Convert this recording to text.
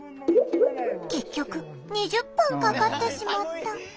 結局２０分かかってしまった。